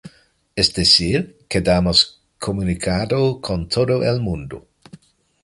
Es decir, quedamos comunicado con todo el mundo.